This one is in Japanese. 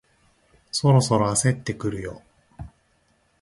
そろそろ焦ってくるよ